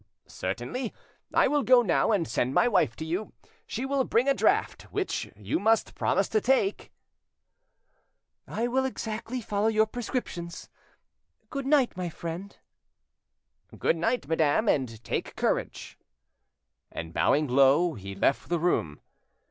"Certainly. I will go now, and send my wife to you. She will bring a draught, which you must promise to take." "I will exactly follow your prescriptions. Goodnight, my friend." "Good night, madame; and take courage"; and bowing low, he left the room.